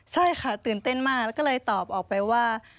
ใช่ค่ะตื่นเต้นมากแล้วก็เลยตอบออกไปว่า